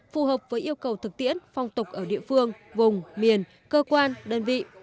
phù hợp với yêu cầu thực tiễn phong tục ở địa phương vùng miền cơ quan đơn vị